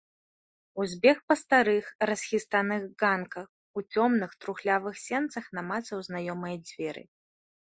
Узбег па старых, расхістаных ганках, у цёмных, трухлявых сенцах намацаў знаёмыя дзверы.